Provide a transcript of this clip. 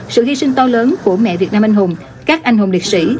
sự hy sinh to lớn của mẹ việt nam anh hùng các anh hùng liệt sĩ